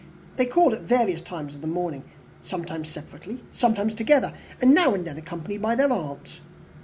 They called at various times of the morning, sometimes separately, sometimes together, and now and then accompanied by their aunt.